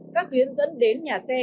các tuyến dẫn đến nhà xe